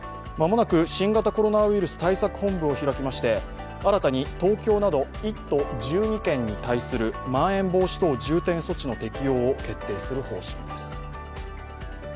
間もなく新型コロナウイルス対策本部を開きまして新たに東京など１都１２県に対するまん延防止等重点措置の適用を決定する方針です。